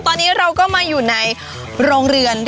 ตอนนี้เราก็มาอยู่ในโรงเรือน